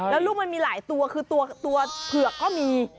แล้วลูกมันมีหลายตัวคือตัวเผือกก็มี